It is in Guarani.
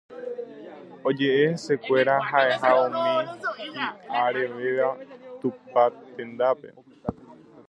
Oje'e hesekuéra ha'eha umi hi'arevéva upe tendápe